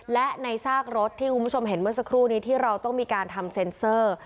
และในซากรถที่คุณผู้ชมเห็นเมื่อสักครู่นี้ที่เราต้องมีการทำเซ็นเซอร์